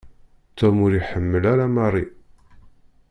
Tom ur iḥemmel ara Mary.